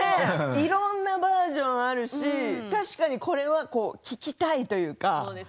いろんなバージョンがあるし、これは聞きたいというか。